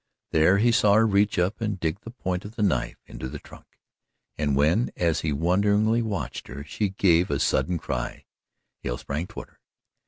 There he saw her reach up and dig the point of the knife into the trunk, and when, as he wonderingly watched her, she gave a sudden cry, Hale sprang toward her.